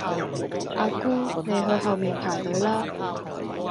阿姑你去後面排隊啦